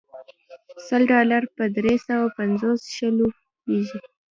سل ډالر په درې سوه پنځوس شلو کېږي.